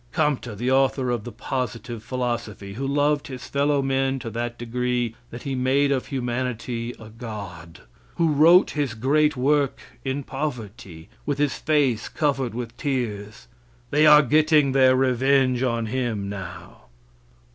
Compte, the author of the "Positive Philosophy," who loved his fellow men to that degree that he made of humanity a God, who wrote his great work in poverty, with his face covered with tears they are getting their revenge on him now.